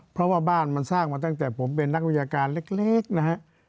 เพราะว่าบ้านมันสร้างมาตั้งแต่ผมเป็นนักวิชาการเล็กนะฮะ